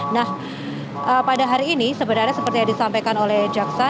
nah pada hari ini sebenarnya seperti yang disampaikan oleh jaksa